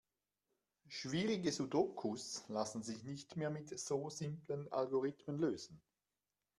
Schwierige Sudokus lassen sich nicht mehr mit so simplen Algorithmen lösen.